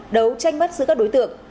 đấu tranh bắt giữ các đối tượng